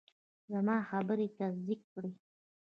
زما خبرې یې تصدیق کړې.